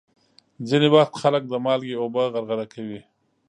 ځینې وخت خلک د مالګې اوبه غرغره کوي.